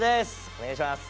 お願いします。